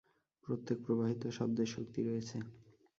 প্রত্যেক প্রবাহিত শব্দের শক্তি রয়েছে!